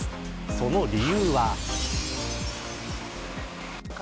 その理由は。